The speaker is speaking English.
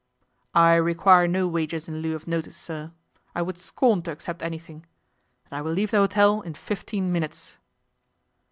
'I require no wages in lieu of notice, sir. I would scorn to accept anything. And I will leave the hotel in fifteen minutes.